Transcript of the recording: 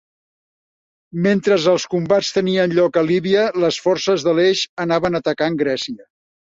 Mentre els combats tenien lloc a Líbia, les forces de l'Eix estaven atacant Grècia.